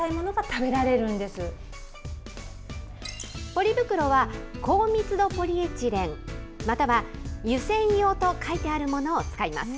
ポリ袋は高密度ポリエチレン、または湯煎用と書いてあるものを使います。